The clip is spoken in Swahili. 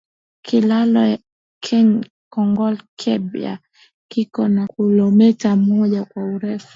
Kilalo kya kongolo keba kiko na kilometa moja ya urefu